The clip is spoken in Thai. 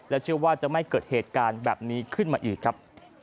เชื่อว่าจะไม่เกิดเหตุการณ์แบบนี้ขึ้นมาอีกครับ